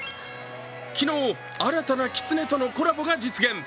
昨日、新たなきつねとのコラボが実現。